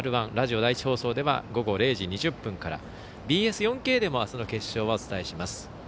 Ｒ１、ラジオ第１放送では午後０時２０分からＢＳ４Ｋでもあすの決勝をお伝えします。